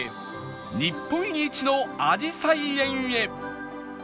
日本一のあじさい園へ